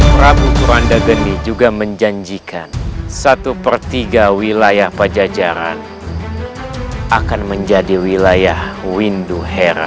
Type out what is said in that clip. prabu modanda gede juga menjanjikan sabu bertiga wilayah pajajaran akan menjadi wilayah winduhera